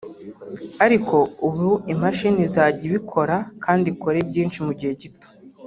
ariko ubu imashini izajya ibikora kandi ikore byinshi mu gihe gito